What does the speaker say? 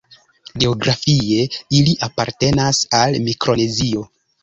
Geografie ili apartenas al Mikronezio.